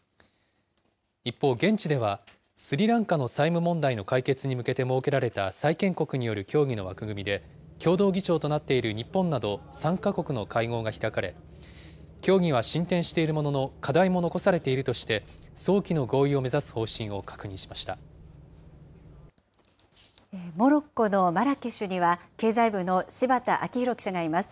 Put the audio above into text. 一方、現地ではスリランカの債務問題の解決に向けて設けられた債権国による協議の枠組みで、共同議長となっている日本など３か国の会合が開かれ、協議は進展しているものの課題も残されているとして、早期の合意を目指す方モロッコのマラケシュには、経済部の柴田明宏記者がいます。